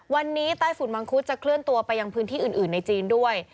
วันนี้ใต้ฝุ่นมังคุดจะเคลื่อนตัวไปยังพื้นที่อื่นในจีนด้วย